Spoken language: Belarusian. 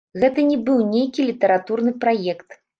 Гэта не быў нейкі літаратурны праект.